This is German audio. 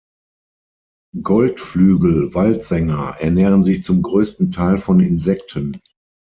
Goldflügel-Waldsänger ernähren sich zum größten Teil von Insekten.